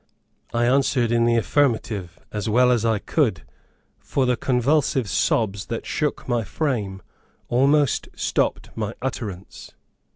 I answered in the affirmative as well as I could, for the convulsive sobs that shook my frame almost stopped my utterance.